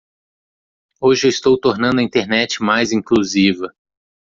Hoje eu estou tornando a Internet mais inclusiva.